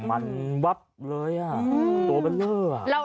มันวับเลยอ่ะตัวเป็นเยอะอ่ะ